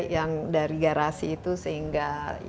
yang dari garasi itu sehingga